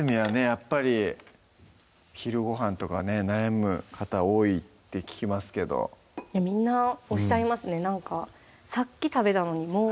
やっぱり昼ご飯とかね悩む方多いって聞きますけどみんなおっしゃいますねなんかさっき食べたのにもう？